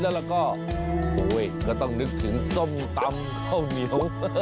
แล้วก็ก็ต้องนึกถึงส้มตำข้าวเหนียว